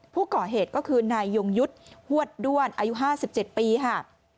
ผู้ก่อเหตุก็คือนายยงยุทธ์ฮวดด้วนอายุ๕๗ปีค่ะ